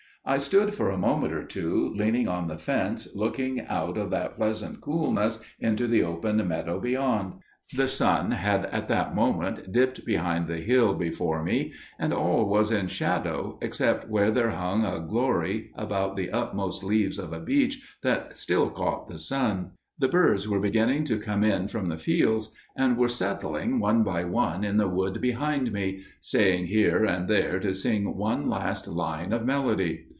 "I stood for a moment or two leaning on the fence looking out of that pleasant coolness into the open meadow beyond; the sun had at that moment dipped behind the hill before me and all was in shadow except where there hung a glory about the topmost leaves of a beech that still caught the sun. The birds were beginning to come in from the fields, and were settling one by one in the wood behind me, staying here and there to sing one last line of melody.